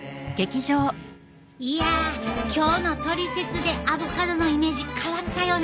いや今日のトリセツでアボカドのイメージ変わったよね。